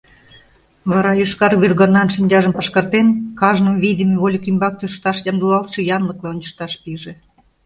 Вара, йошкар вӱргорнан шинчажым пашкартен, кажным вийдыме вольык ӱмбак тӧршташ ямдылалтше янлыкла ончышташ пиже.